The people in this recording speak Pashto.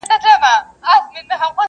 دا هوښیار چي دی له نورو حیوانانو.